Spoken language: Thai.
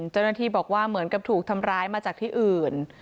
เจ้าหน้าที่บอกว่าเหมือนกับถูกทำร้ายมาจากที่อื่น